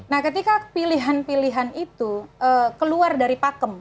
nah ketika pilihan pilihan itu keluar dari pakem